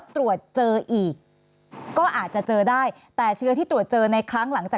เท่านั้นป่ะคะ